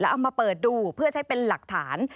เอามาเปิดดูเพื่อใช้เป็นหลักฐาน